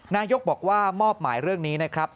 นายกบอกว่ามอบหมายเรื่องนี้นะครับ